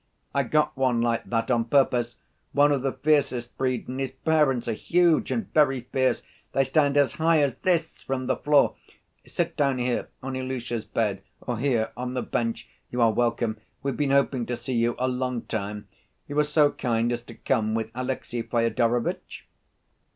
"I got one like that on purpose, one of the fiercest breed, and his parents are huge and very fierce, they stand as high as this from the floor.... Sit down here, on Ilusha's bed, or here on the bench. You are welcome, we've been hoping to see you a long time.... You were so kind as to come with Alexey Fyodorovitch?"